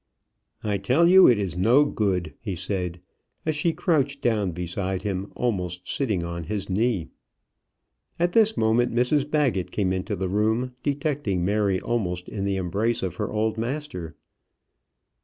"I tell you it is no good," he said, as she crouched down beside him, almost sitting on his knee. At this moment Mrs Baggett came into the room, detecting Mary almost in the embrace of her old master.